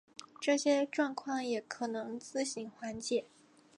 这些状况也可能自行缓解。